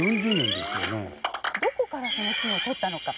どこからその金をとったのか。